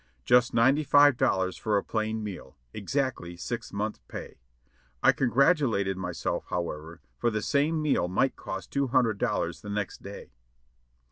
Just ninety five dollars for a plain meal ; exactly six months' pay. I congratulated myself, however, for the same meal might cost two hundred dollars the next day.